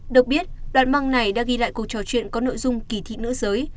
được biết đoạn băng này đã ghi lại cuộc trò chuyện có nội dung kỳ thị nữ giới